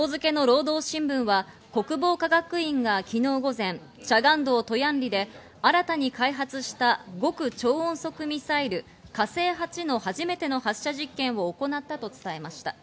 今日付の労働新聞は、国防科学院が昨日午前、チャガン道トヤン里で新たに開発した極超音速ミサイル「火星８」の初めての発射実験を行ったと伝えました。